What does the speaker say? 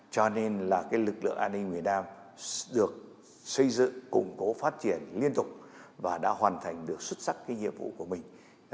cho nên là cái lực lượng an ninh miền nam được xây dựng củng cố phát triển liên tục và đã hoàn thành được xuất sắc cái nhiệm vụ của mình